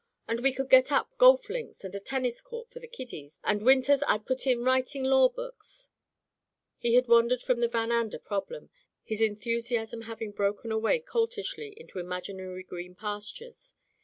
And we could get up golf links and a tennis court for the kiddies, and winters Td put in writing law books '' He had wandered from the Van Ander problem, his enthusiasm having broken away coltishly into imaginary green pastures.